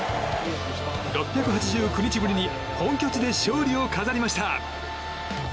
６８９日ぶりに本拠地で勝利を飾りました。